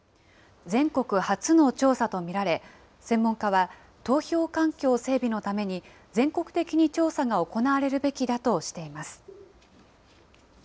全国初の調査と見られ、専門家は、投票環境整備のために、全国的に調査が行われるべきだとしています。